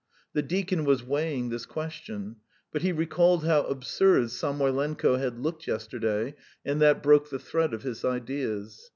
The deacon was weighing this question, but he recalled how absurd Samoylenko had looked yesterday, and that broke the thread of his ideas.